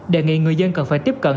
đề nghị người dân cần phải tiếp cận